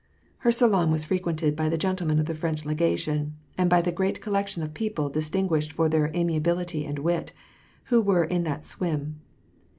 Her salon was frequented by the gentlemen of the French legation, and by the great collection of people dis tinguished for their amiability and wit, who were in that "swim."